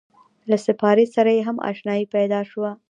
له سپارې سره یې هم اشنایي پیدا شوه.